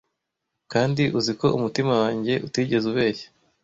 kandi uziko umutima wanjye utigeze ubeshya